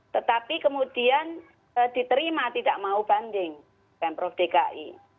tetapi kemudian diterima tidak mau banding pemprov dki